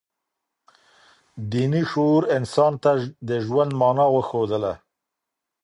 دیني شعور انسان ته د ژوند مانا وښودله.